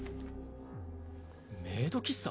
メイド喫茶？